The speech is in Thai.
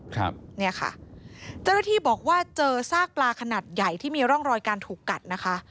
เจ้าหน้าที่บอกว่าเจอซากปลาขนาดใหญ่ที่มีร่องรอยการถูกกัดนะคะ